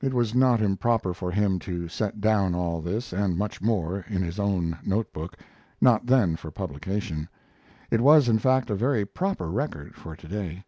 It was not improper for him to set down all this, and much more, in his own note book not then for publication. It was in fact a very proper record for today.